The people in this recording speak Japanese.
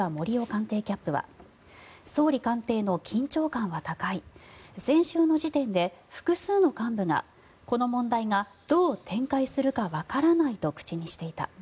官邸キャップは総理官邸の緊張感は高い先週の時点で複数の幹部がこの問題がどう展開するかわからないと口にしていた。